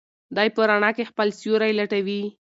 دی په رڼا کې خپل سیوری لټوي.